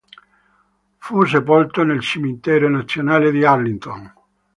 Fu sepolto nel cimitero nazionale di Arlington.